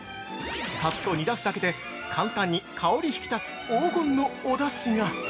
さっと煮出すだけで簡単に香り引き立つ黄金のおだしが。